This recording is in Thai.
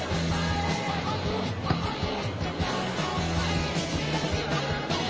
เวลาที่มันได้รู้จักกันแล้วเวลาที่ไม่รู้จักกัน